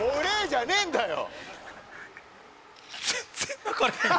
じゃねえんだよ